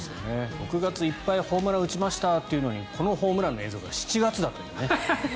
６月、いっぱいホームランを打ちましたというのにこのホームランの映像が７月だというね。